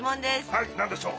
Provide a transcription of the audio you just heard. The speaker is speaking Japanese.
はい何でしょう？